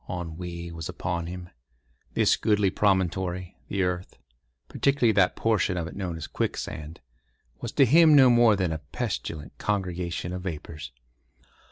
Ennui was upon him. This goodly promontory, the earth—particularly that portion of it known as Quicksand—was to him no more than a pestilent congregation of vapours.